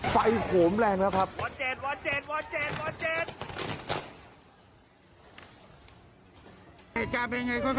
ไฟโขมแรงนะครับ